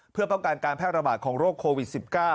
เพื่อป้องกันการแพร่ระบาดของโรคโควิด๑๙